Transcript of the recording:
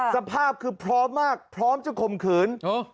สภาพคือพร้อมมากพร้อมจะข่มขืน